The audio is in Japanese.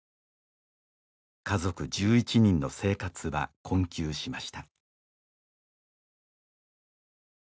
家族１１人の生活は困窮しました